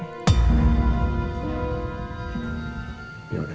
ya udah satu menit mas